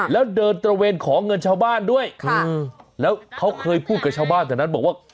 แล้วเดินตระเวนขอเงินชาวบ้านด้วยแล้วเขาเคยพูดกับชาวบ้านแถวนั้นบอกว่า